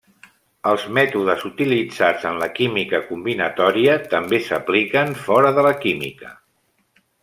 Els mètodes utilitzats en la química combinatòria també s'apliquen fora de la química.